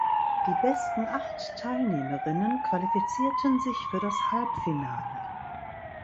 Die besten acht Teilnehmerinnen qualifizierten sich für das Halbfinale.